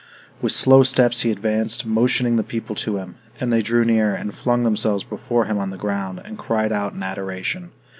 With slow steps he advanced, motioning the people to him; and they drew near, and flung themselves before him on the ground, and cried out in adoration.